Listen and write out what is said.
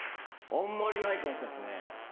あんまりないかもしれないですね。